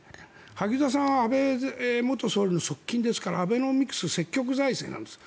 萩生田さんは安倍元総理の側近ですからアベノミクス積極財政なんです。